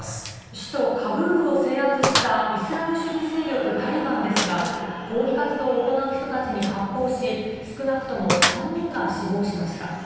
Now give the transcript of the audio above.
首都カブールを制圧したイスラム主義勢力タリバンですが、抗議活動を行う人たちに発砲し、少なくとも３人が死亡しました。